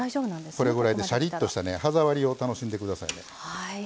これぐらいでしゃりっとした歯触りを楽しんでくださいね。